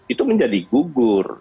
itu menjadi gugur